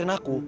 ra kamu tuh